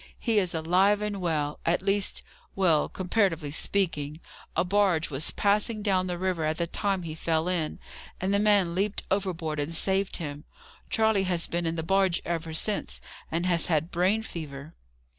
"He is alive and well. At least, well, comparatively speaking. A barge was passing down the river at the time he fell in, and the man leaped overboard and saved him. Charley has been in the barge ever since, and has had brain fever."